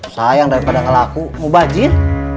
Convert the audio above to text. sayang daripada kalaku mau bajin